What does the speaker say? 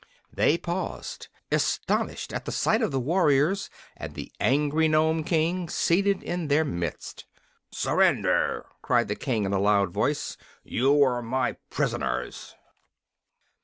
They paused, astonished, at sight of the warriors and the angry Nome King, seated in their midst. "Surrender!" cried the King, in a loud voice. "You are my prisoners."